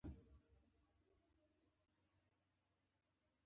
که مو مطالعه کړي وي چیرې او د چا کتابونه وو.